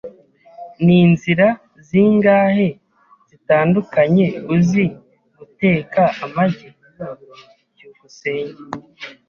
Ni inzira zingahe zitandukanye uzi guteka amagi? byukusenge